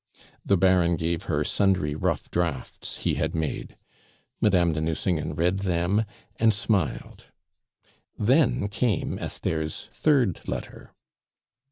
The Baron gave her sundry rough drafts he had made; Madame de Nucingen read them, and smiled. Then came Esther's third letter.